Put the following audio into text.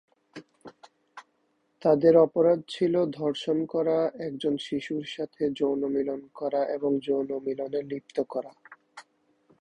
তাদের অপরাধ ছিল ধর্ষণ করা, একজন শিশুর সাথে যৌন মিলন করা এবং যৌন মিলনে লিপ্ত করা।